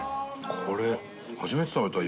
これ初めて食べたゆば丼。